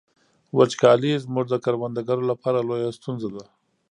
وچکالي زموږ د کروندګرو لپاره لویه ستونزه ده.